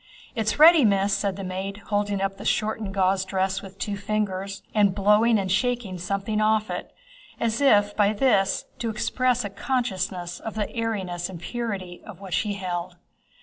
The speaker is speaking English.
"It's ready, Miss," said the maid, holding up the shortened gauze dress with two fingers, and blowing and shaking something off it, as if by this to express a consciousness of the airiness and purity of what she held.